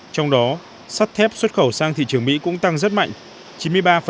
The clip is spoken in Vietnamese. trong đó sắt thép xuất khẩu sang thị trường mỹ cũng tăng rất mạnh